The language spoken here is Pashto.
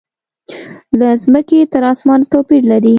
له مځکې تر اسمانه توپیر لري.